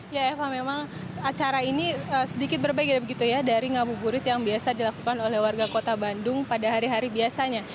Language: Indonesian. ya eva memang acara ini sedikit berbeda begitu ya dari ngabuburit yang biasa dilakukan oleh warga kota bandung pada hari hari biasanya